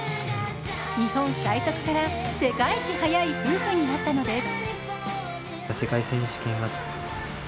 日本最速から世界一速い夫婦になったのです。